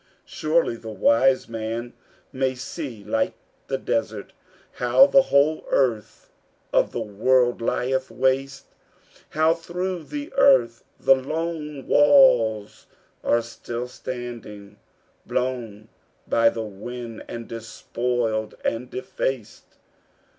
Surely the wise man may see like the desert How the whole wealth of the world lieth waste, How through the earth the lone walls are still standing, Blown by the wind and despoiled and defaced.